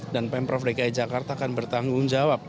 dan pemprov dki jakarta akan bertanggung jawab